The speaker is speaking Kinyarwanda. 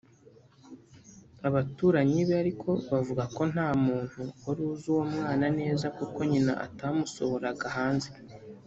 Aba baturanyi be ariko bavuga ko nta muntu wari uzi uwo mwana neza kuko nyina atamusohoraga hanze